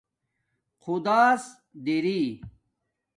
خداس دِری